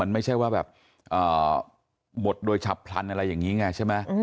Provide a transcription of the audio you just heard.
ไม่ใช่ว่าแบบหมดโดยฉับพลันอะไรอย่างนี้ไงใช่ไหม